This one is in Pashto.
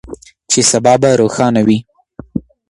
چې سبا به روښانه وي.